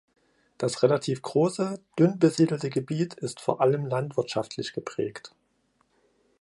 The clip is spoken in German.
Das relativ große, dünn besiedelte Gebiet ist vor allem landwirtschaftlich geprägt.